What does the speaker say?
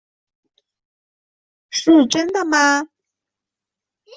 是真的吗？